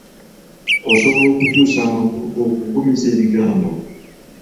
Osobola okukyusa amakulu g’okuggumiza ebigambo?